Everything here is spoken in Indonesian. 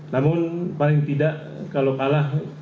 namun paling tidak kalau kalah